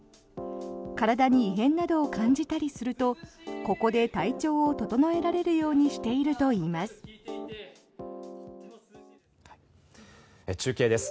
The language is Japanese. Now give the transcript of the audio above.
体に異変などを感じたりするとここで体調を整えられるようにしているといいます。